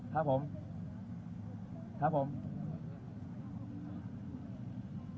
ครับผม